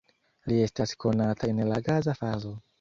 Li estas konata en la gaza fazo.